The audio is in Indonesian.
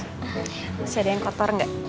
masih ada yang kotor enggak